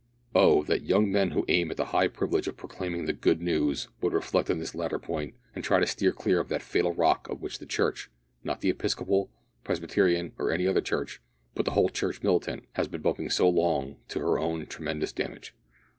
Oh! that young men who aim at the high privilege of proclaiming the "good news" would reflect on this latter point, and try to steer clear of that fatal rock on which the Church not the Episcopal, Presbyterian, or any other Church, but the whole Church militant has been bumping so long to her own tremendous damage!